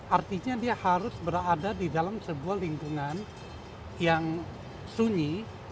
artinya dia harus berada di dalam sebuah lingkungan yang sunyi